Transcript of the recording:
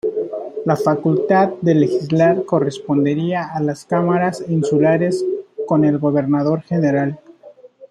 La facultad de legislar correspondería a las Cámaras insulares con el gobernador general.